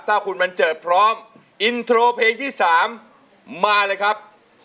ถ้าคุณบันเจิดพร้อมอินโทรเพลงที่๓มาเลยครับ